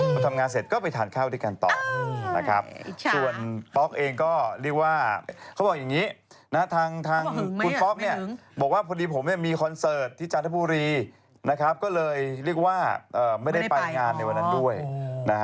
พอทำงานเสร็จก็ไปทานข้าวด้วยกันต่อนะครับส่วนป๊อกเองก็เรียกว่าเขาบอกอย่างนี้นะทางคุณป๊อกเนี่ยบอกว่าพอดีผมเนี่ยมีคอนเสิร์ตที่จันทบุรีนะครับก็เลยเรียกว่าไม่ได้ไปงานในวันนั้นด้วยนะฮะ